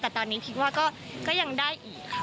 แต่ตอนนี้คิดว่าก็ยังได้อีกค่ะ